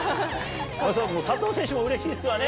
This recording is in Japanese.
佐藤選手もうれしいっすわね？